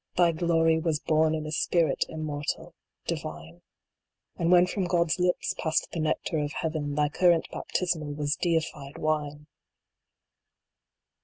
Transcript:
thy glory Was born in a spirit Immortal, divine ; And when from God s lips passed the nectar of heaven, Thy current baptismal was deified wine